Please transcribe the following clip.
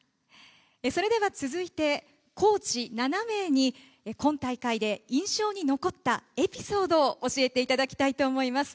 それでは、続いてコーチ７名に今大会で印象に残ったエピソードを教えていただきたいと思います。